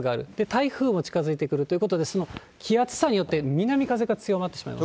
台風も近づいてくるということで、気圧差によって南風が強まってしまいます。